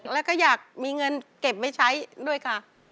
แล้วก็อยากมีเงินเก็บไว้ใช้ด้วยค่ะ